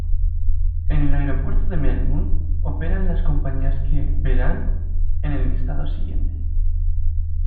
En el Aeropuerto de Melbourne, operan las compañías que verán en el listado siguiente.